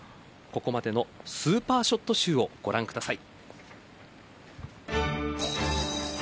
ここまでのスーパーショット集をご覧ください。